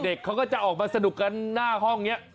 เขาก็จะออกมาสนุกกันหน้าห้องนี้